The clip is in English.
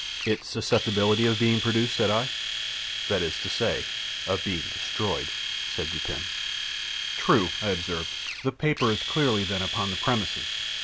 "Its susceptibility of being produced?" said I. "That is to say, of being destroyed," said Dupin. "True," I observed; "the paper is clearly, then, upon the premises.